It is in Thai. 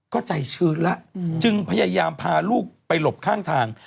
ก็ใจชื้นแล้วจึงพยายามพาลูกไปหลบข้างทาง